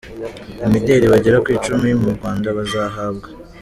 Imideli bagera ku icumi mu Rwanda bazahabwa.